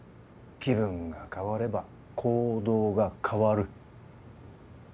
気分が変われば行動が変わる。